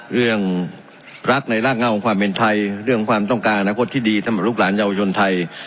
เรื่องรักในรากเง่าของความเป็นไทยเรื่องความต้องการอนาคตที่ดีสำหรับลูกหลานเยาวชนไทย